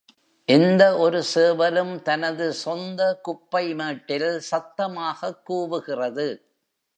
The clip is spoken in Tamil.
எந்த ஒரு சேவலும் தனது சொந்த குப்பை மேட்டில் சத்தமாகக் கூவுகிறது.